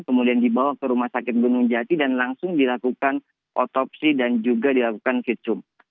kemudian dibawa ke rumah sakit gunung jati dan langsung dilakukan otopsi dan juga dilakukan virtum